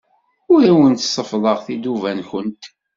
Ur awent-seffḍeɣ tiduba-nwent.